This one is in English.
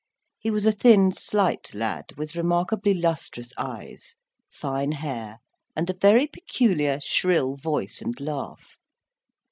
He was a thin, slight lad, with remarkably lustrous eyes, fine hair, and a very peculiar shrill voice and laugh.